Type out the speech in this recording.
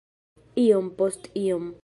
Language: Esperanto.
iom post iom